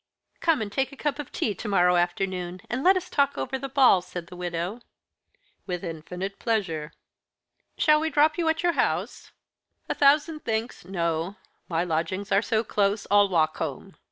"Come and take a cup of tea to morrow afternoon, and let as talk over the ball," said the widow. "With infinite pleasure." "Shall we drop you at your house?" "A thousand thanks no my lodgings are so close, I'll walk home."